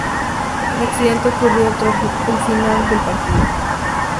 El accidente ocurrió tras el final del partido.